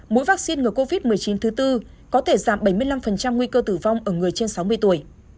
mũi vaccine ngừa covid một mươi chín thứ tư có thể giảm bảy mươi năm nguy cơ tử vong ở người trên sáu mươi tuổi